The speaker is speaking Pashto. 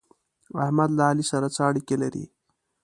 احمد له علي سره څه اړېکې لري؟